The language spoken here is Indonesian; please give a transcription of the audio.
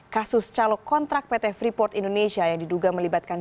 kasus calok kontrak pt freeport indonesia yang diduga melibatkan